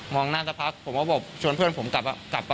มองหน้าจะพักผมก็บอกชวนเพื่อนผมกลับว่า